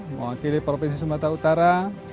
mengakili provinsi sumatera utara